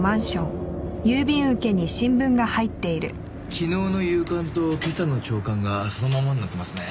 昨日の夕刊と今朝の朝刊がそのままになってますね。